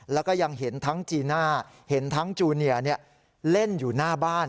แล้วก็ยังเห็นทั้งจีน่าเห็นทั้งจูเนียเล่นอยู่หน้าบ้าน